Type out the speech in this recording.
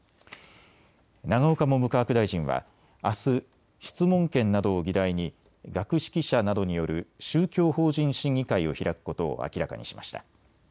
永岡文部科学大臣はあす質問権などを議題に学識者などによる宗教法人審議会を開くことを明らかにしました。